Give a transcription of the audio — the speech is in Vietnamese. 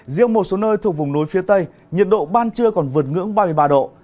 riêng một số nơi thuộc vùng núi phía tây nhiệt độ ban trưa còn vượt ngưỡng ba mươi ba độ